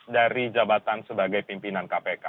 dari jabatan sebagai pimpinan kpk